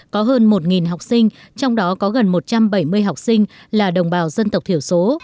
có hơn một học sinh trong đó có gần một trăm bảy mươi học sinh là đồng bào dân tộc thiểu số